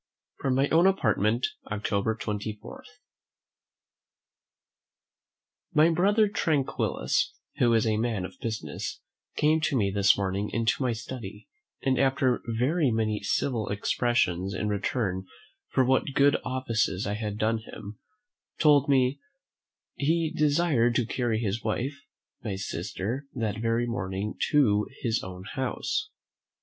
From my own Apartment, October 24. My brother Tranquillus, who is a man of business, came to me this morning into my study, and after very many civil expressions in return for what good offices I had done him, told me "he desired to carry his wife, my sister, that very morning to his own house."